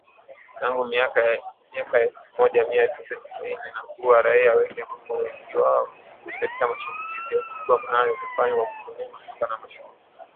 Tangu miaka ya elfu Moja Mia tisa tisini na kuua raia wengi ambapo wengi wao ni katika mashambulizi ya usiku wa manane yaliyofanywa kwa kutumia mapanga na mashoka .